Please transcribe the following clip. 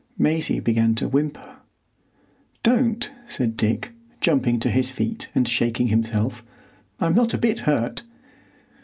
Maisie began to whimper. "Don't," said Dick, jumping to his feet and shaking himself. "I'm not a bit hurt."